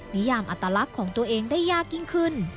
นิยามอัตลักษณ์ของตัวเองได้ยากยิ่งขึ้น